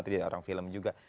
tidak ada orang film juga